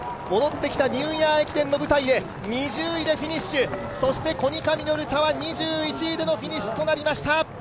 戻ってきたニューイヤー駅伝の舞台で２０位でフィニッシュ、そしてコニカミノルタは２１位でのフィニッシュとなりました。